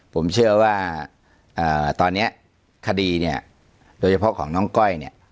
ผมเชื่อว่าตอนนี้คดีเนี่ยโดยเฉพาะของน้องก้อยเนี่ย